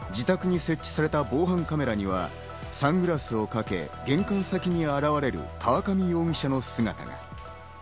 自宅に設置された防犯カメラには、サングラスをかけ、玄関先に現れる河上容疑者の姿が。